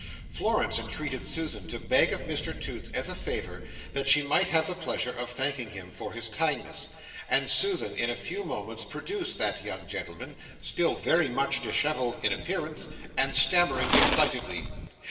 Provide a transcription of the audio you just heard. Florence entreated Susan to beg of Mr Toots as a favour that she might have the pleasure of thanking him for his kindness; and Susan, in a few moments, produced that young gentleman, still very much dishevelled in appearance, and stammering exceedingly.